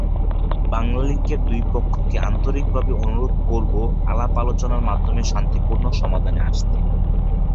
বাংলালিংকের দুই পক্ষকে আন্তরিকভাবে অনুরোধ করব আলাপ আলোচনার মাধ্যমে শান্তিপূর্ণ সমাধানে আসতে।